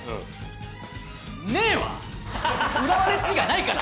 浦和レッズ以外ないから！